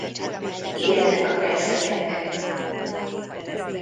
Ilyenek a keszegek.